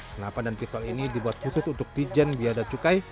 senapan dan pistol ini dibuat khusus untuk pijen bela dan cukai